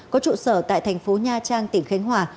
có trụ sở tại thành phố nha trang tỉnh khánh hòa